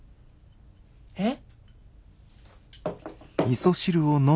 えっ？